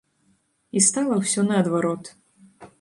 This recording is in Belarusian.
І стала ўсё наадварот.